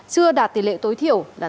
chưa đạt tỷ lệ tối thiểu là tám mươi